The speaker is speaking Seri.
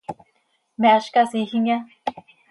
¿Me áz casiijimya?